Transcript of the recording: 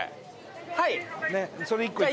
はい。